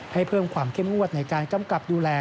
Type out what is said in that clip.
เพิ่มความเข้มงวดในการกำกับดูแล